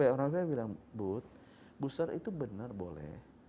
orang who bilang bud booster itu benar boleh